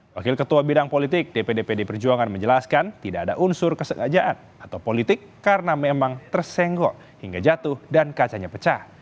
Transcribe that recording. wakil ketua bidang politik dpd pd perjuangan menjelaskan tidak ada unsur kesengajaan atau politik karena memang tersenggok hingga jatuh dan kacanya pecah